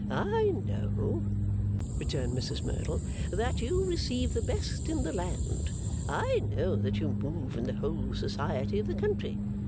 'I know,' returned Mrs Merdle, 'that you receive the best in the land. I know that you move in the whole Society of the country.